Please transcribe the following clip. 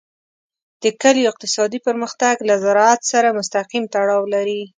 د کلیو اقتصادي پرمختګ له زراعت سره مستقیم تړاو لري.